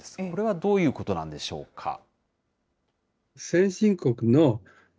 これはどういうことなんでしょうか。